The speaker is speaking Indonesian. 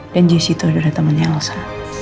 dan jessy itu adalah temennya elsa